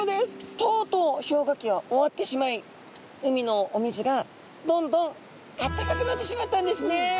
とうとう氷河期は終わってしまい海のお水がどんどんあったかくなってしまったんですね。